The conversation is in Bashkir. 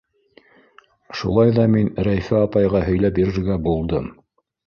Шулай ҙа мин Рәйфә апайға һөйләп бирергә булдым.